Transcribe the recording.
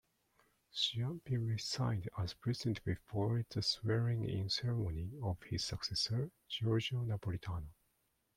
Ciampi resigned as President before the swearing-in ceremony of his successor, Giorgio Napolitano.